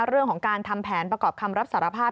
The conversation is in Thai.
เรื่องของการทำแผนประกอบคำรับสารภาพ